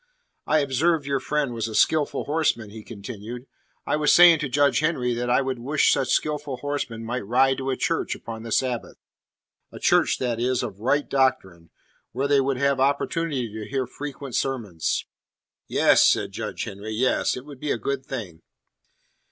"I observed your friend was a skilful horseman," he continued. "I was saying to Judge Henry that I could wish such skilful horsemen might ride to a church upon the Sabbath. A church, that is, of right doctrine, where they would have opportunity to hear frequent sermons." "Yes," said Judge Henry, "yes. It would be a good thing."